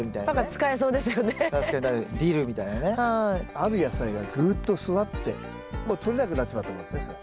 ある野菜がぐっと育ってもうとれなくなってしまったもんですねそれ。